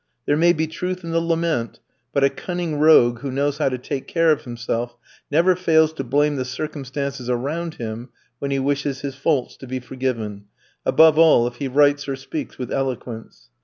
There may be truth in the lament, but a cunning rogue who knows how to take care of himself never fails to blame the circumstances around him when he wishes his faults to be forgiven above all, if he writes or speaks with eloquence.